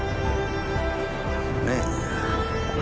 ねえ。